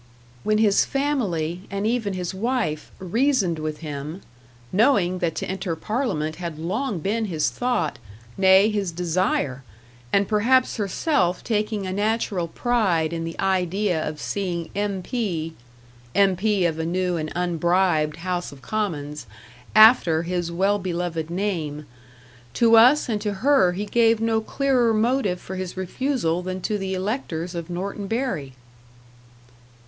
When his family, and even his wife, reasoned with him, knowing that to enter Parliament had long been his thought, nay, his desire, and perhaps herself taking a natural pride in the idea of seeing M.P. M.P. of a new and unbribed House of Commons after his well beloved name; to us and to her he gave no clearer motive for his refusal than to the electors of Norton Bury.